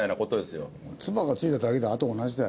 つばが付いただけであと同じだよ。